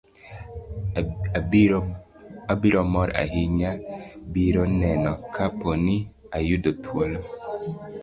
abiro mor ahinya biro nene kapo ni ayudo thuolo